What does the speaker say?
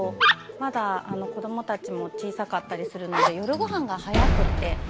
まだ子どもたちも小さかったりするので夜ごはんが早くて。